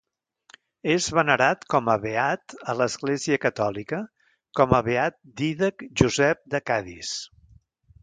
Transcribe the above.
És venerat com a beat a l'Església catòlica com a beat Dídac Josep de Cadis.